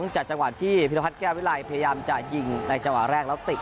จากจังหวะที่พิรพัฒนแก้ววิลัยพยายามจะยิงในจังหวะแรกแล้วติด